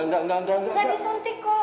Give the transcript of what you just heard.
engga disuntik kok